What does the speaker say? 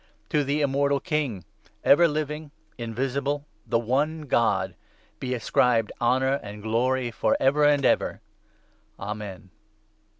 To the Immortal King, ever 17 living, invisible, the one God, be ascribed honour and glory for ever and ever. Amen.